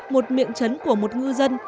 một miệng chấn của một ngư dân